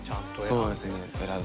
そうですね。